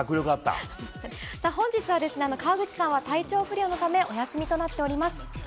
本日は川口さんは体調不良のためお休みとなっております。